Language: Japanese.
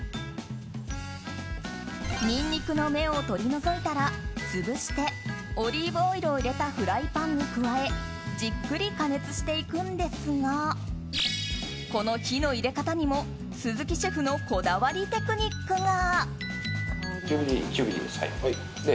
ニンニクの芽を取り除いたら潰してオリーブオイルを入れたフライパンに加えじっくり加熱していくんですがこの火の入れ方にも鈴木シェフのこだわりテクニックが。